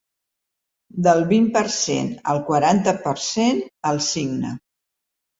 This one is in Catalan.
Del vint per cent al quaranta per cent, el cigne.